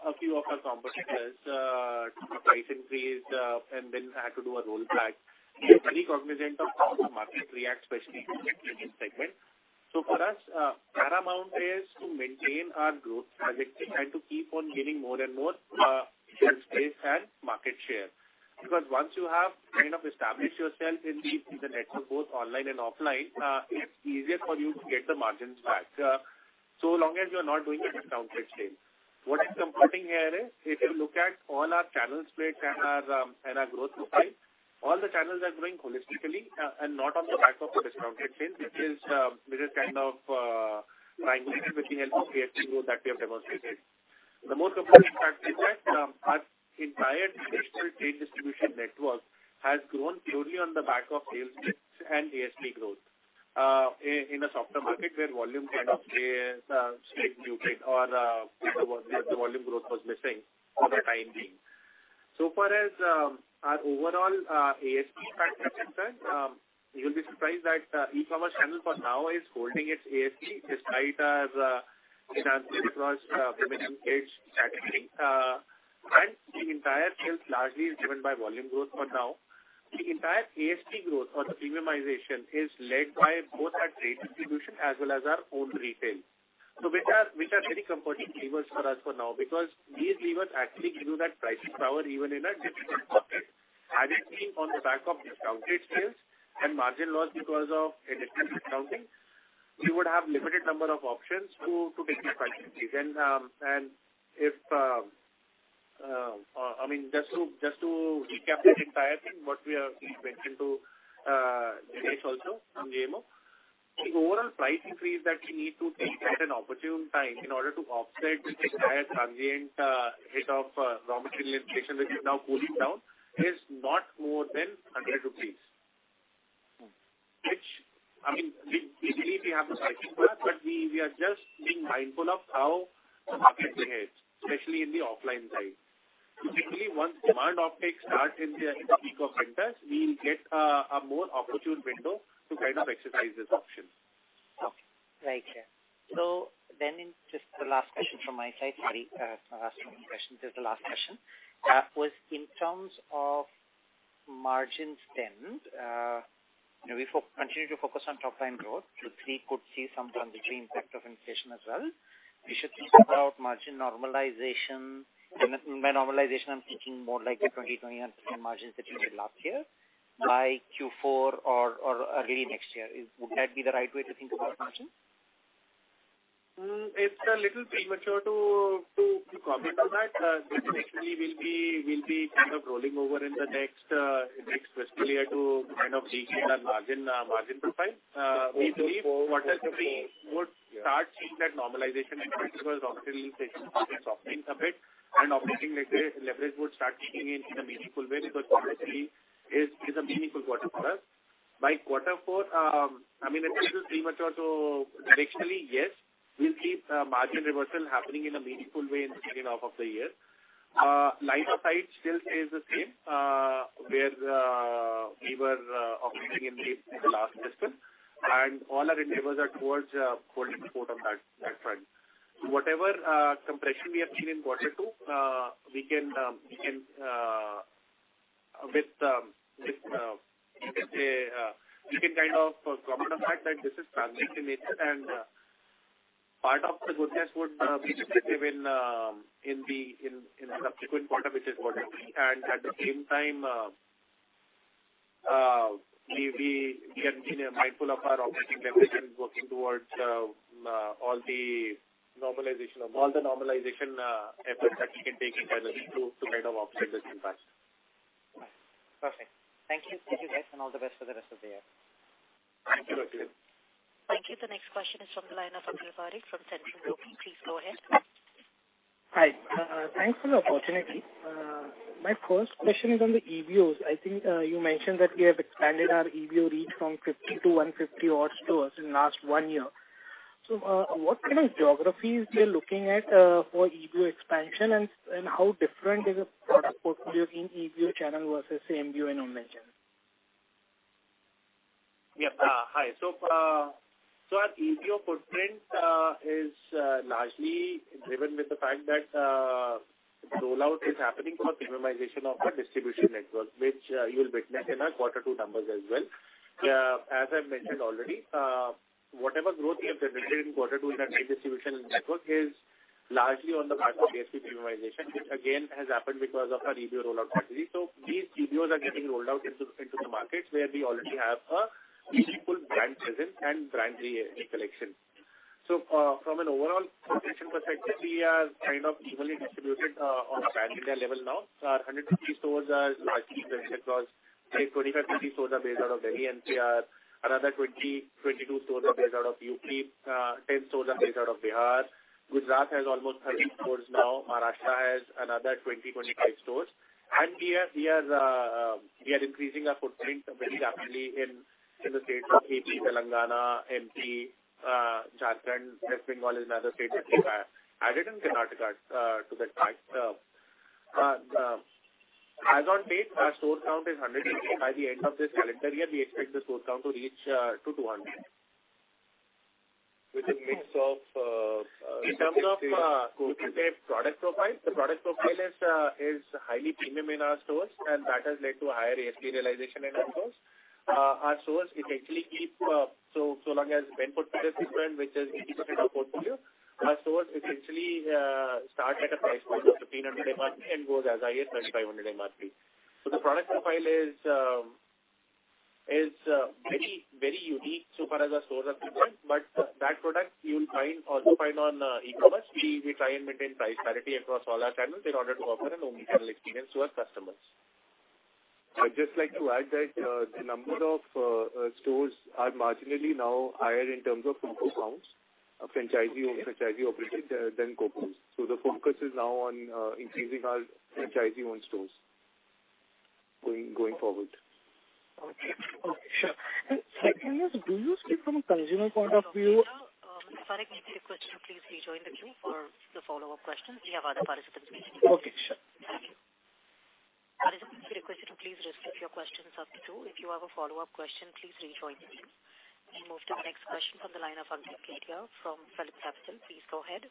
our competitors took a price increase and then had to do a rollback. We are very cognizant of how the market reacts, especially in this segment. For us, paramount is to maintain our growth trajectory and to keep on gaining more and more shelf space and market share. Because once you have kind of established yourself in the network, both online and offline, it's easier for you to get the margins back so long as you're not doing a discounted sale. What is comforting here is if you look at all our channel splits and our growth profile, all the channels are growing holistically and not on the back of a discounted sale. This is kind of triangulated with the help of ASP growth that we have demonstrated. The most comforting fact is that our entire traditional trade distribution network has grown purely on the back of sales mix and ASP growth in a softer market where volume kind of stayed muted or the volume growth was missing for the time being. So far as our overall ASP trend is concerned, you'll be surprised that e-commerce channel for now is holding its ASP despite our transition across premiumization category. The entire sales largely is driven by volume growth for now. The entire ASP growth or the premiumization is led by both our trade distribution as well as our own retail. Which are very comforting levers for us for now because these levers actually give you that pricing power even in a difficult market. Had it been on the back of discounted sales and margin loss because of excessive discounting, we would have limited number of options to increase prices. I mean, just to recap the entire thing, what we have mentioned to Jignesh Kamani also from GMO. The overall price increase that we need to take at an opportune time in order to offset this entire transient hit of raw material inflation, which is now cooling down, is not more than 100 rupees. Which, I mean, we believe we have the pricing power, but we are just being mindful of how the market behaves, especially in the offline side. Typically, once demand optics start in the peak of winters, we'll get a more opportune window to kind of exercise this option. Okay. Right. Yeah. In just the last question from my side, sorry, last two questions. This is the last question. Was in terms of marketing spend, you know, we continue to focus on top line growth. Q3 could see some transitory impact of inflation as well. We should think about margin normalization. By normalization, I'm thinking more like the 2021 margins that you did last year by Q4 or early next year. Would that be the right way to think about margin? It's a little premature to comment on that. This actually will be kind of rolling over in the next fiscal year to kind of regain our margin profile. We believe Q3 would start seeing that normalization effect because raw material inflation has been softening a bit and operating leverage would start kicking in in a meaningful way because Q3 is a meaningful quarter for us. By Q4, I mean, it's a little premature to. Actually, yes, we'll see margin reversal happening in a meaningful way in the H2 of the year. Line of sight still stays the same, where we were operating in the last quarter. All our endeavors are towards holding the fort on that front. Whatever compression we have seen in Q2, we can kind of comment on that this is transient in nature and part of the goodness would be reflected in a subsequent quarter, which is Q3. At the same time, we have been mindful of our operating leverage and working towards all the normalization efforts that we can take internally to kind of offset this impact. Right. Perfect. Thank you. Thank you, guys, and all the best for the rest of the year. Thank you. Thank you. Thank you. The next question is from Lina from Tencent Group. Please go ahead. Hi. Thanks for the opportunity. My first question is on the EBOs. I think you mentioned that we have expanded our EBO reach from 50 to 150-odd stores in last 1 year. What kind of geographies we are looking at for EBO expansion and how different is the product portfolio in EBO channel versus MBO and omni-channel? Our EBO footprint is largely driven by the fact that rollout is happening for premiumization of our distribution network, which you'll witness in our Q2 numbers as well. As I mentioned already, whatever growth we have demonstrated in Q2 in our trade distribution network is largely on the back of ASP premiumization, which again has happened because of our EBO rollout strategy. These EBOs are getting rolled out into the markets where we already have a meaningful brand presence and brand recall. From an overall penetration perspective, we are kind of evenly distributed on a pan-India level now. Our 150 stores are largely present across, say, 25-30 stores are based out of Delhi NCR. Another 20-22 stores are based out of UP. Ten stores are based out of Bihar. Gujarat has almost 30 stores now. Maharashtra has another 20-25 stores. We are increasing our footprint very rapidly in the states of AP, Telangana, MP, Jharkhand. West Bengal is another state which we have added and Karnataka to that fact. As on date, our store count is 150. By the end of this calendar year, we expect the store count to reach 200. With a mix of, In terms of, you could say product profile. The product profile is highly premium in our stores, and that has led to a higher ASP realization in our stores. Our stores essentially keep so long as vendor trade is different, which is consistent with portfolio. Our stores essentially start at a price point of 300 MRP and goes as high as 2,500 MRP. The product profile is very unique so far as our stores are concerned. But that product you'll also find on e-commerce. We try and maintain price parity across all our channels in order to offer an omnichannel experience to our customers. I'd just like to add that the number of stores are marginally now higher in terms of foot counts of franchisee-owned, franchisee-operated than Okay. The focus is now on increasing our franchisee-owned stores going forward. Okay, sure. Second, do you see from a consumer point of view? Fareek, next question, please rejoin the queue for the follow-up questions. We have other participants waiting. Okay, sure. Thank you. Participants, we request you to please restrict your questions up to two. If you have a follow-up question, please rejoin the queue. We move to the next question from the line of Ankit Kedia from PhillipCapital. Please go ahead.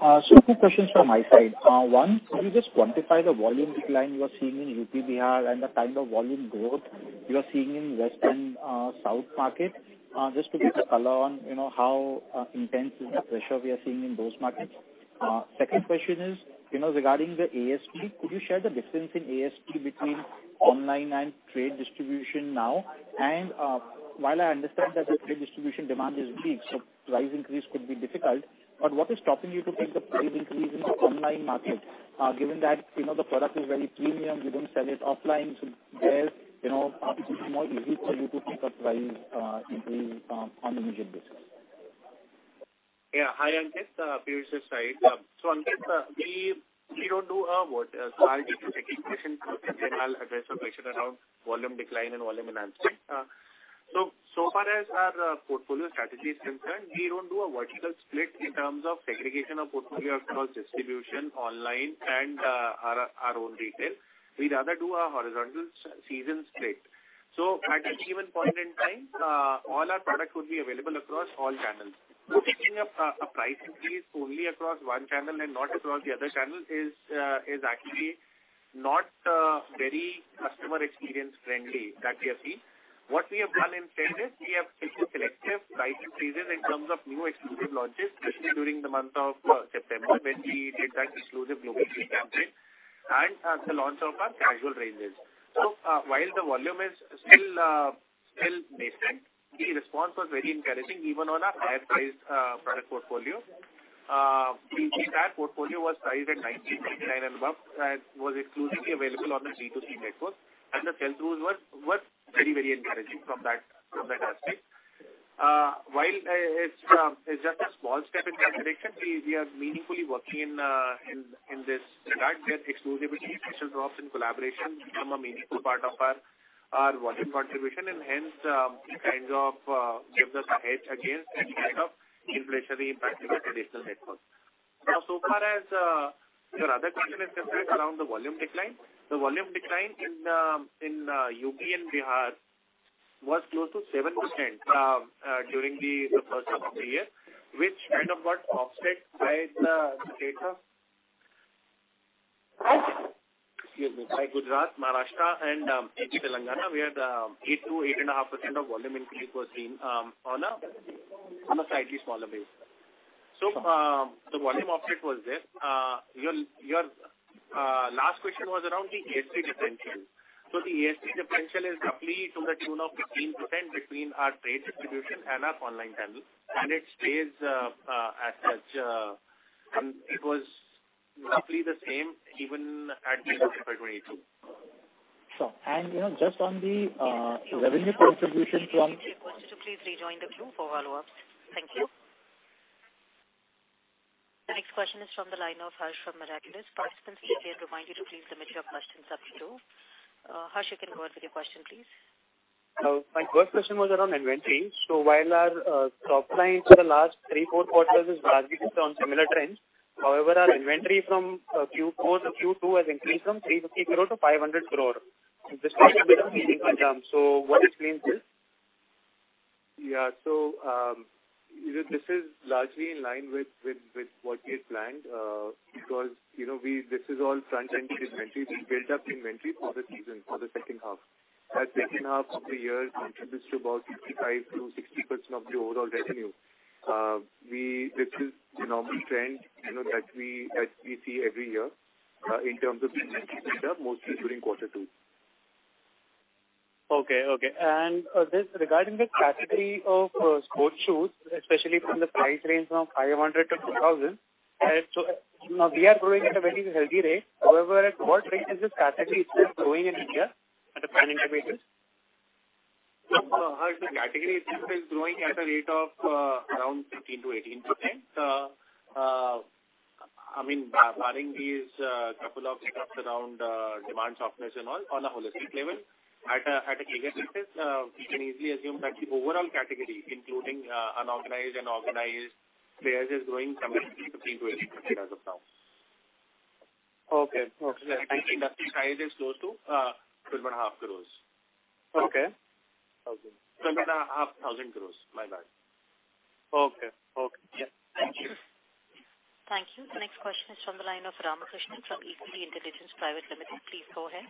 A few questions from my side. One, could you just quantify the volume decline you are seeing in UP, Bihar and the kind of volume growth you are seeing in Western, South market? Just to give a color on, you know, how intense is the pressure we are seeing in those markets. Second question is, you know, regarding the ASP, could you share the difference in ASP between online and trade distribution now? While I understand that the trade distribution demand is weak, so price increase could be difficult, but what is stopping you to take the price increase in the online market, given that, you know, the product is very premium, you don't sell it offline, so there, you know, it's more easy for you to take a price increase on an urgent basis. Yeah. Hi, Ankit. Piyush this side. Ankit, I'll take the second question, and then I'll address your question around volume decline and volume enhancement. So far as our portfolio strategy is concerned, we don't do a vertical split in terms of segregation of portfolio across distribution, online and our own retail. We'd rather do a horizontal season split. At any given point in time, all our product would be available across all channels. Taking a price increase only across one channel and not across the other channel is actually not very customer experience friendly that we have seen. What we have done instead is we have taken selective price increases in terms of new exclusive launches, especially during the month of September, when we did that exclusive Global Feetival campaign and the launch of our casual ranges. While the volume is still nascent, the response was very encouraging even on our higher priced product portfolio. The entire portfolio was priced at 1,929 and above and was exclusively available on the D2C network, and the sell-throughs were very encouraging from that aspect. While it's just a small step in that direction, we are meaningfully working in this regard where exclusivity, special drops and collaborations become a meaningful part of our volume contribution and hence kind of give us a hedge against any kind of inflationary impact in the traditional network. Now, so far as your other question is concerned around the volume decline. The volume decline in UP and Bihar was close to 7% during the H1 of the year, which kind of got offset by Gujarat, Maharashtra and AP Telangana, where the 8%-8.5% volume increase was seen on a slightly smaller base. The volume offset was there. Your last question was around the ASP differential. The ASP differential is roughly to the tune of 15% between our trade distribution and our online channel, and it stays as such. It was roughly the same even at the end of February 2022. Sure. You know, just on the revenue contribution from- Question, could you please rejoin the queue for follow-ups? Thank you. The next question is from the line of Harsh from Miraculous. Participants, we again remind you to please limit your questions up to two. Harsh, you can go ahead with your question, please. My first question was around inventory. While our top line for the last three, four quarters is largely shown similar trends, however our inventory from Q4 to Q2 has increased from 350 crore to 500 crore. This looks a bit of leading by term. What explains this? Yeah, you know, this is largely in line with what we had planned, because, you know, this is all transient inventory. We built up inventory for the season, for the H2. That H2 of the year contributes to about 55%-60% of the overall revenue. This is the normal trend, you know, that we see every year, in terms of inventory build-up, mostly during Q2. Okay. This regarding the category of sports shoes, especially from the price range from 500 to 2,000. Now we are growing at a very healthy rate. However, at what rate is this category still growing in India at a pan-industry basis? Harsh, the category itself is growing at a rate of around 15%-18%. I mean, barring these couple of bumps around demand softness and all on a holistic level. At an aggregate basis, we can easily assume that the overall category, including unorganized and organized players, is growing somewhere between 15%-18% as of now. Okay. Okay. The industry size is close to 12.5 crore. Okay. Thousand. 12,500 crore. My bad. Okay. Okay. Yeah. Thank you. Thank you. The next question is from the line of Ramakrishnan from Equirus Intelligence Private Limited. Please go ahead.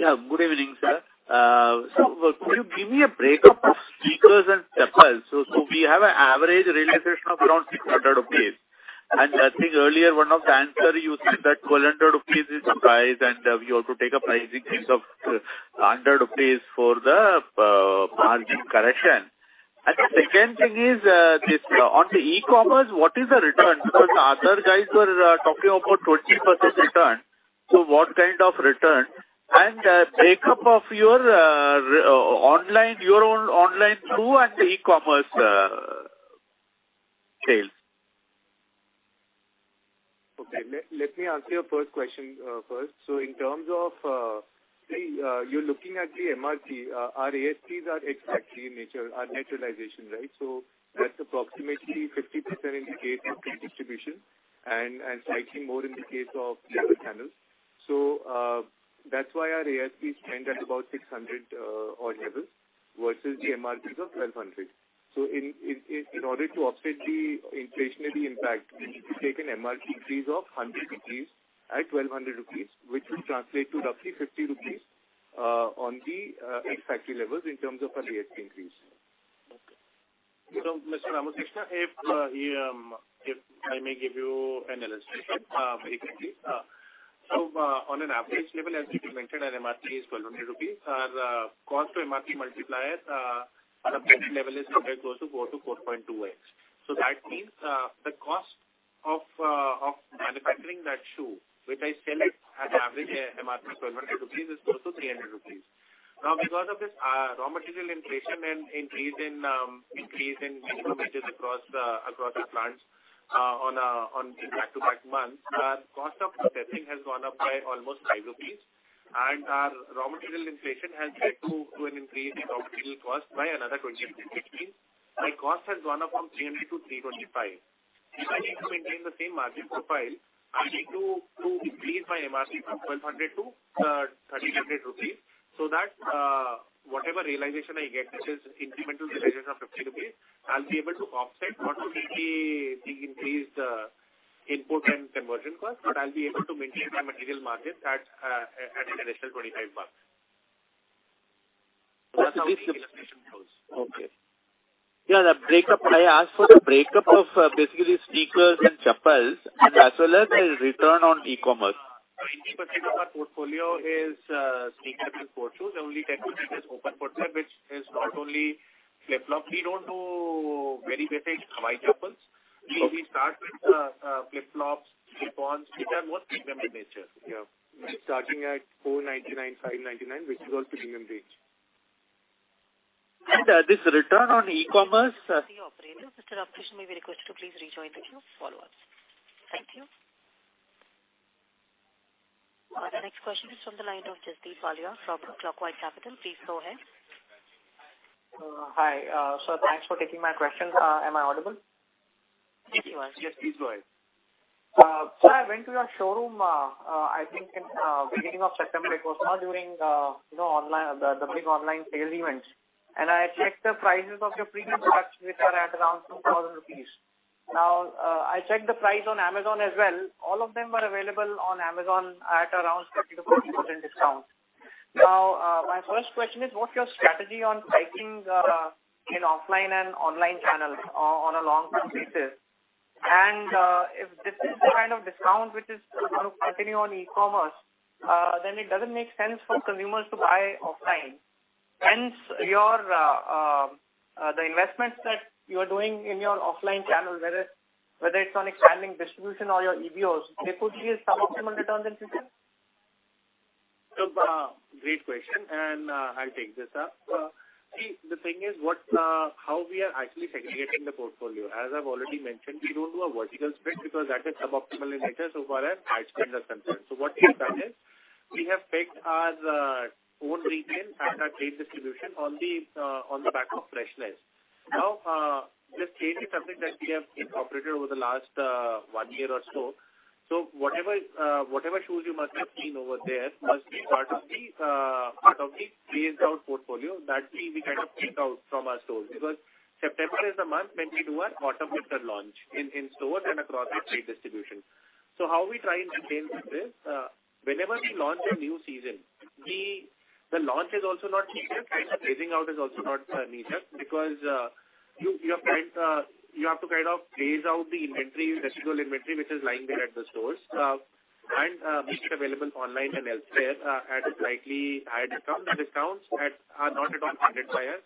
Yeah. Good evening, sir. Could you give me a breakup of sneakers and chappals? We have an average realization of around 600 rupees. I think earlier one of the answers you said that 1,200 rupees is the price and you have to take a pricing mix of 100 rupees for the margin correction. The second thing is the return on the e-commerce, what is the return? Because the other guys were talking about 20% return. What kind of return and breakup of your own online and the e-commerce sales. Okay. Let me answer your first question first. In terms of the MRP you're looking at, our ASPs are exactly in line with our realization, right? That's approximately 50% in the case of trade distribution and slightly more in the case of other channels. That's why our ASPs trend at about 600-odd INR versus the MRPs of 1,200. In order to offset the inflationary impact, we need to take an MRP increase of 100 rupees at 1,200 rupees, which will translate to roughly 50 rupees on the ex-factory levels in terms of our ASP increase. Okay. Mr. Ramakrishnan, if I may give you an illustration briefly. On an average level, as we mentioned, our MRP is 1,200 rupees. Our cost to MRP multiplier on a basic level is somewhere close to 4-4.2x. That means the cost of manufacturing that shoe, which I sell it at average MRP 1,200 rupees is close to 300 rupees. Because of this, raw material inflation and increase in minimum wages across the plants, on back-to-back months, our cost of processing has gone up by almost 5 rupees, and our raw material inflation has led to an increase in raw material cost by another 20 rupees, which means my cost has gone up from 300 to 325. If I need to maintain the same margin profile, I need to increase my MRP from 1,200 to 1,300 rupees, so that whatever realization I get, which is incremental realization of 50 rupees, I'll be able to offset not only the increased input and conversion cost, but I'll be able to maintain my material margins at an additional 25 bucks. Okay. Yeah, the breakup. I asked for the breakup of, basically sneakers and chappals and as well as the return on e-commerce. 90% of our portfolio is sneakers and sports shoes. Only 10% is open footwear, which is not only flip-flop. We don't do very basic Hawai chappals. Okay. We start with flip-flops, slip-ons, which are more premium in nature. Yeah. Starting at 499, 599, which is also premium range. This return on e-commerce. The operator, Mr. Ramakrishnan, may be requested to please rejoin the queue for follow-ups. Thank you. The next question is from the line of Jasdeep Walia from Clockwork Capital. Please go ahead. Hi. Thanks for taking my question. Am I audible? Yes, you are. Yes, please go ahead. I went to your showroom, I think in beginning of September, it was during, you know, online, the big online sale event. I checked the prices of your premium products, which are at around 2,000 rupees. Now, I checked the price on Amazon as well. All of them are available on Amazon at around 50%-40% discount. Now, my first question is what's your strategy on pricing in offline and online channels on a long-term basis? If this is the kind of discount which is going to continue on e-commerce, then it doesn't make sense for consumers to buy offline. Hence, the investments that you are doing in your offline channels, whether it's on expanding distribution or your EBOs, they could see a suboptimal return in future. Look, great question, and I'll take this up. See, the thing is what, how we are actually segregating the portfolio. As I've already mentioned, we don't do a vertical split because that is suboptimal in nature so far as high spenders are concerned. What we have done is we have pegged our own retail and our trade distribution on the back of freshness. Now, this change is something that we have incorporated over the last one year or so. Whatever shoes you must have seen over there must be part of the phased out portfolio. That we kind of take out from our stores because September is the month when we do our autumn winter launch in stores and across our trade distribution. How we try and maintain this, whenever we launch a new season, the launch is also not needed and the phasing out is also not needed because you have to kind of phase out the inventory, residual inventory, which is lying there at the stores, and make it available online and elsewhere, at slightly higher discount. The discounts are not at all funded by us.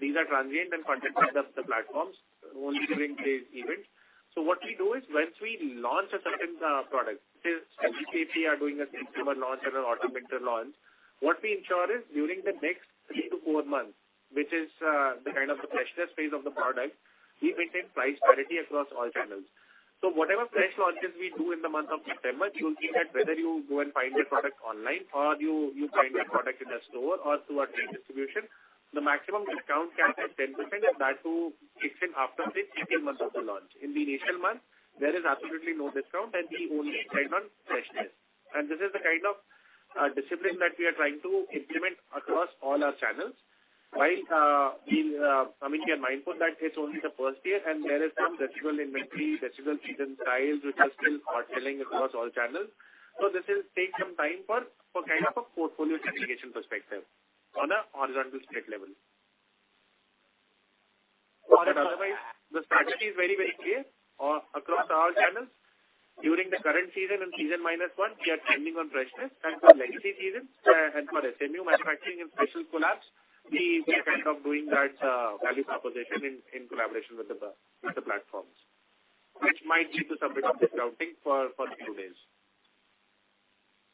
These are transient and funded by the platforms only during fest events. What we do is once we launch a certain product, say we are doing a September launch and an autumn winter launch, what we ensure is during the next three to four months, which is the kind of freshness phase of the product, we maintain price parity across all channels. Whatever fresh launches we do in the month of September, you'll see that whether you go and find a product online or you find a product in a store or through our trade distribution, the maximum discount can be 10% and that too kicks in after the three months of the launch. In the initial month, there is absolutely no discount, and we only decide on freshness. This is the kind of discipline that we are trying to implement across all our channels. While, I mean, we are mindful that it's only the first year and there is some residual inventory, residual season styles which are still hot selling across all channels. This will take some time for kind of a portfolio segregation perspective on a horizontal state level. Otherwise, the strategy is very clear across all channels. During the current season and season minus one, we are trending on freshness and for legacy season and for SMU manufacturing and special collabs, we were kind of doing that value proposition in collaboration with the platforms, which might lead to some bit of discounting for a few days.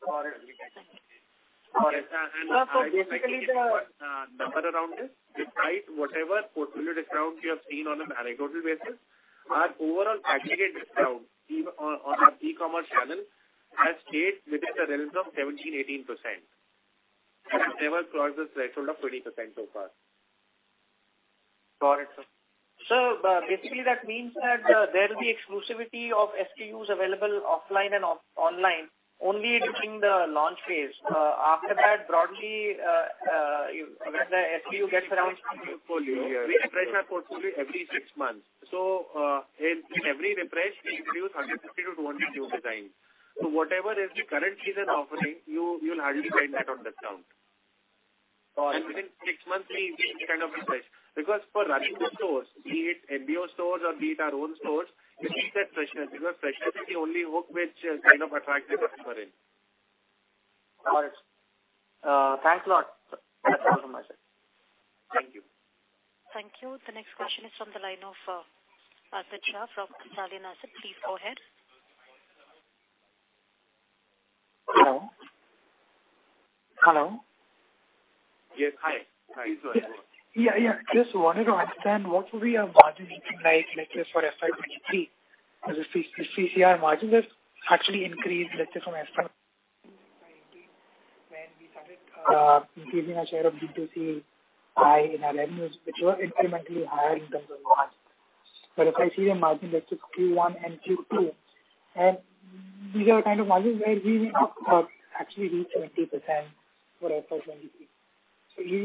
Got it. I basically give you a number around this. Despite whatever portfolio discount you have seen on an average total basis, our overall aggregate discount even on our e-commerce channel has stayed within the realms of 17%-18%. It never crossed the threshold of 20% so far. Got it, sir. Basically that means that there will be exclusivity of SKUs available offline and online only during the launch phase. After that, broadly, when the SKU gets into the portfolio, we refresh our portfolio every six months. In every refresh we introduce 150-200 new designs. Whatever is the current season offering you'll hardly find that on discount. Got it. Within six months we kind of refresh because for running the stores, be it MBO stores or be it our own stores, we keep that freshness because freshness is the only hook which kind of attracts the customer in. Got it. Thanks a lot. That's all from my side. Thank you. Thank you. The next question is from the line of Archit Shah from Kotak Mutual Fund. Please go ahead. Hello? Hello? Yes. Hi. Please go ahead. Yeah, yeah. Just wanted to understand what will be your margin looking like, let's say, for FY 2023. As you see, D2C margins have actually increased, let's say, from when we started increasing our share of B2C higher in our revenues, which were incrementally higher in terms of margin. If I see the margin, let's say Q1 and Q2, and these are the kind of margins where we actually reach 20% for FY 2023.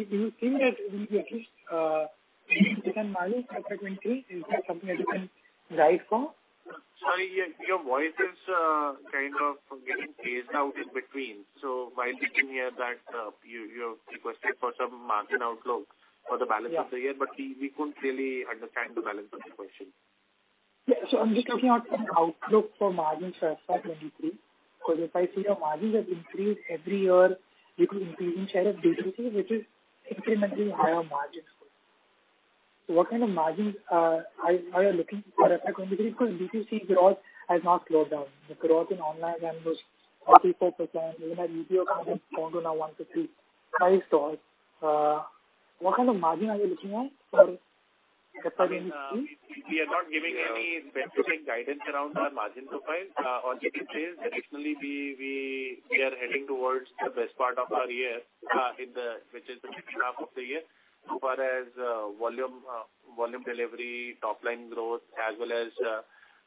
Do you see that we at least maintain margin for FY 2023? Is that something that you can guide for? Sorry, your voice is kind of getting phased out in between. While we can hear that, you have requested for some margin outlook for the balance of the year, but we couldn't really understand the balance of the question. Yeah. I'm just talking about an outlook for margins for FY 2023, because if I see your margins have increased every year due to increasing share of B2C, which is incrementally higher margins. What kind of margins are you looking for FY 2023? Because B2C growth has not slowed down. The growth in online channel is 34%. Even at MBO channel grown to now 155 stores. What kind of margin are you looking at for FY 2023? We are not giving any specific guidance around our margin profile. All we can say is that additionally we are heading towards the best part of our year, which is the H2 of the year. So far as volume delivery, top line growth as well as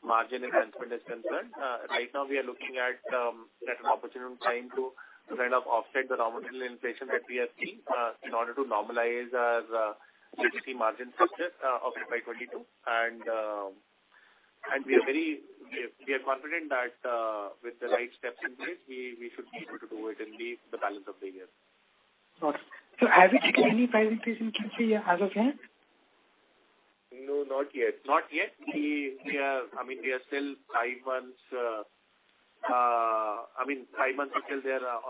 margin enhancement is concerned, right now we are looking at an opportune time to kind of offset the raw material inflation that we are seeing, in order to normalize our B2C margin structure of FY 2022. We are confident that with the right steps in place, we should be able to do it in the balance of the year. Got it. Have you taken any price increase in Q3 as of yet? No, not yet. Not yet. I mean, we are still five months until we are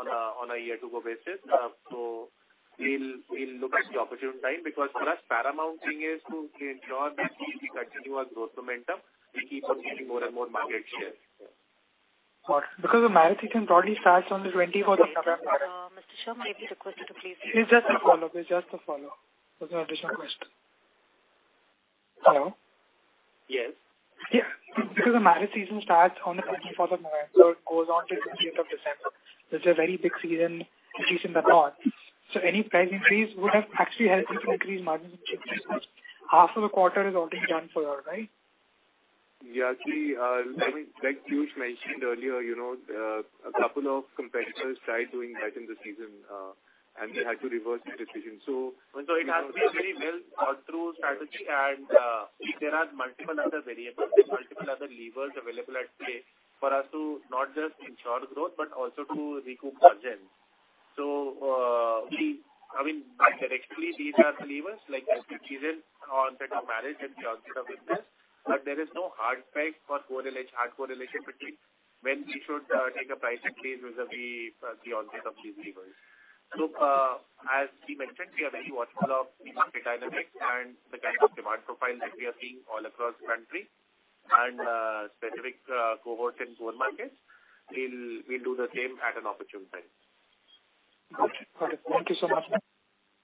on a year to go basis. We'll look at the opportune time because for us paramount thing is to ensure that we continue our growth momentum. We keep on gaining more and more market share. Got it. Because the marriage season broadly starts on the twenty-fourth of November. Mr. Shah, may I request you to please. It's just a follow-up. There's no additional question. Hello? Yes. Yeah. Because the marriage season starts on the 24th of November. It goes on till 20th of December. That's a very big season, which is in the north. Any price increase would have actually helped you to increase margins because half of the quarter is already done for, right? Yeah. See, I mean, like Piyush mentioned earlier, you know, a couple of competitors tried doing that in the season, and they had to reverse the decision. So it has to be a very well thought through strategy. There are multiple other variables and multiple other levers available at play for us to not just ensure growth but also to recoup margins. I mean, directionally these are levers like every season or onset of marriage and the onset of business, but there is no hard peg or hard correlation between when we should take a price increase vis-a-vis the onset of these levers. As we mentioned, we are very watchful of the market dynamics and the kind of demand profile that we are seeing all across the country and specific cohorts and rural markets. We'll do the same at an opportune time. Got it. Thank you so much.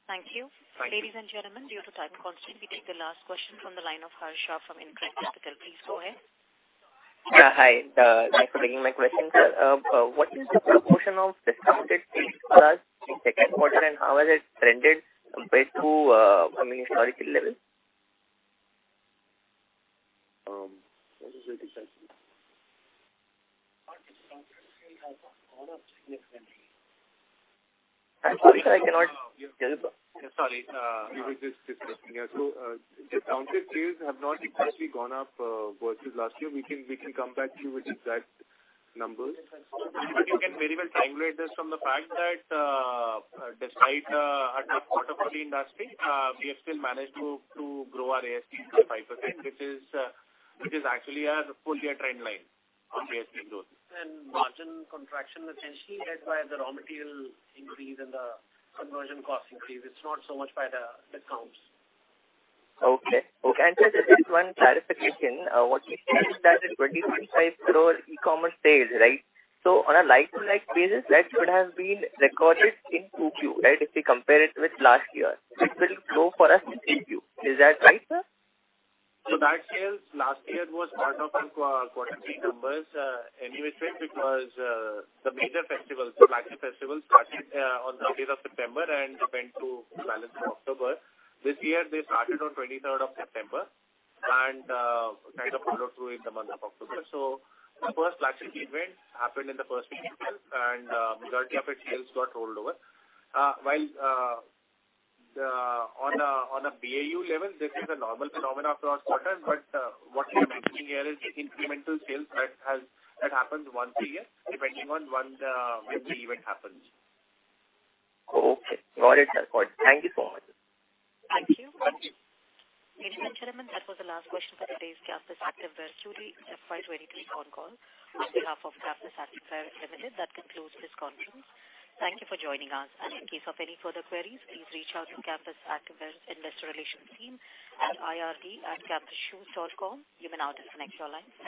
Thank you. Ladies and gentlemen, due to time constraint, we take the last question from the line of Harsha from InCred Capital. Please go ahead. Yeah. Hi. Thanks for taking my question, sir. What is the proportion of discounted sales for us in second quarter, and how has it trended compared to, I mean, historical levels? Our discounted sales have gone up significantly. I'm sorry, sir, I cannot hear you, sir. Sorry. Piyush is just listening here. Discounted sales have not actually gone up versus last year. We can come back to you with exact numbers. You can very well triangulate this from the fact that, despite a tough quarter for the industry, we have still managed to grow our ASP by 5%, which is actually our full year trend line on ASP growth. Margin contraction is essentially led by the raw material increase and the conversion cost increase. It's not so much by the discounts. Okay. Just one clarification. What you said is that 25 crore e-commerce sales, right? That should have been recorded in 2Q, right? If we compare it with last year, it will grow for us in 3Q. Is that right, sir? That sales last year was part of our Q3 numbers. Anyway, sir, because the major festivals, the flagship festivals started on 9th day of September and went to balance of October. This year they started on 23rd of September and kind of followed through in the month of October. The first flagship event happened in the first week itself and majority of its sales got rolled over. While on a BAU level, this is a normal phenomena across quarters. What you are seeing here is incremental sales that happens once a year, depending on when the event happens. Okay. Got it, sir. Got it. Thank you so much. Thank you. Ladies and gentlemen, that was the last question for today's Campus Activewear Q2 FY 2023 conference call. On behalf of Campus Activewear Limited, that concludes this conference. Thank you for joining us. In case of any further queries, please reach out to Campus Activewear Investor Relations team at investors@campusshoes.com. You may now disconnect your line.